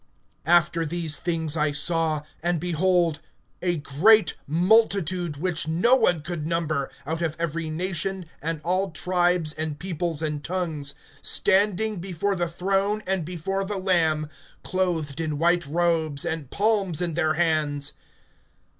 (9)After these things I saw, and behold a great multitude, which no one could number, out of every nation and all tribes and peoples and tongues, standing before the throne, and before the Lamb, clothed in white robes, and palms in their hands.